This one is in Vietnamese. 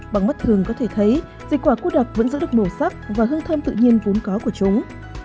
bằng mắt thường có thể thấy dịch quả cô đặc vẫn giữ được màu sắc và hương thơm tự nhiên vốn có của chúng